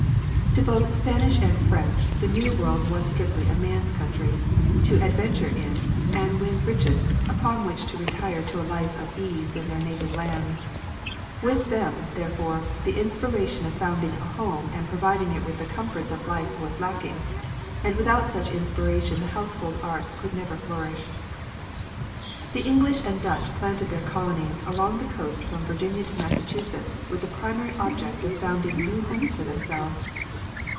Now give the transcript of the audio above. To both Spanish and French, the new world was strictly a man's country to adventure in and win riches upon which to retire to a life of ease in their native lands. With them, therefore, the inspiration of founding a home and providing it with the comforts of life was lacking; and without such inspiration the household arts could never flourish. The English and Dutch planted their colonies along the coast from Virginia to Massachusetts with the primary object of founding new homes for themselves.